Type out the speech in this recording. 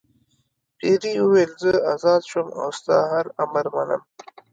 پیري وویل زه آزاد شوم او ستا هر امر منم.